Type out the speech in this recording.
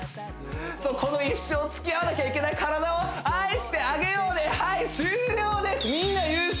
そうこの一生つきあわなきゃいけない体を愛してあげようねはい終了です！